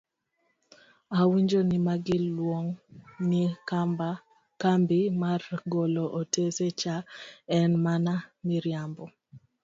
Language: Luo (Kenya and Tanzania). Awinjo ni magi luong'o ni kambi mar golo otese cha en mana miriambo!